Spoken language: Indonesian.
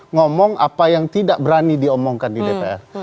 ngomong apa yang tidak berani diomongkan di dpr